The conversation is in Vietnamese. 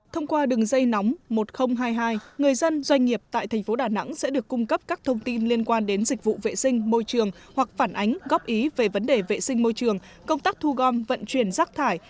thông qua đường dây nóng một nghìn hai mươi hai người dân doanh nghiệp tại thành phố đà nẵng sẽ được cung cấp các thông tin liên quan đến dịch vụ vệ sinh môi trường hoặc phản ánh góp ý về vấn đề vệ sinh môi trường công tác thu gom vận chuyển rác thải